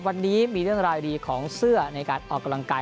วันนี้มีเรื่องราวดีของเสื้อในการออกกำลังกาย